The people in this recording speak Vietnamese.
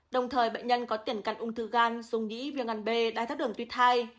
đồng thời bệnh nhân có tiền cắn ung thư gan dung nhĩ viên ngăn bê đai thác đường tuy thai